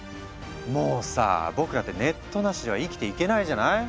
もうさ僕らってネットなしでは生きていけないじゃない？